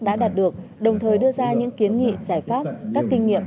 đã đạt được đồng thời đưa ra những kiến nghị giải pháp các kinh nghiệm